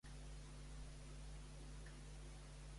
Obiols ha ignorat la novetat de la instal·lació sonora de Will Mender.